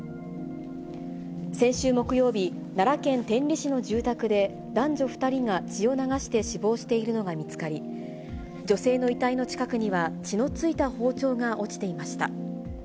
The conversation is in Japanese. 先週木曜日、奈良県天理市の住宅で、男女２人が血を流して死亡しているのが見つかり、女性の遺体の近くには、血の付いた包丁が落ちていました。